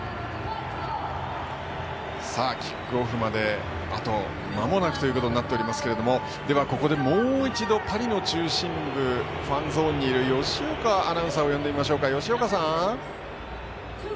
キックオフまでまもなくとなっていますがでは、もう一度パリの中心部ファンゾーンにいる吉岡アナウンサーを呼んでみましょう。